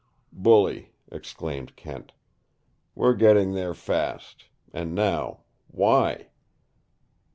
"Bully!" exclaimed Kent. "We're getting there fast! And now, why?"